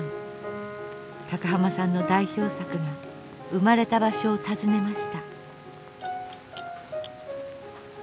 高浜さんの代表作が生まれた場所を訪ねました。